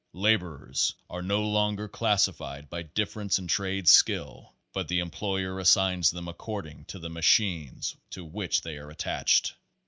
Laborers are no longer classified by difference in trade skill, but the em ployer assigns them according to the machines to which they are attached.